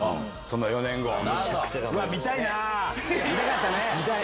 見たかったね。